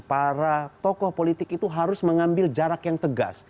para tokoh politik itu harus mengambil jarak yang tegas